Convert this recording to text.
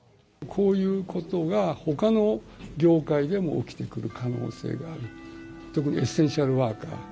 こういうことが、ほかの業界でも起きてくる可能性がある、特にエッセンシャルワーカー。